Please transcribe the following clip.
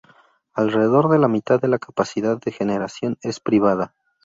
Alrededor de la mitad de la capacidad de generación es privada.